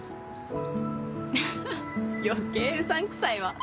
アハっ余計うさんくさいわ。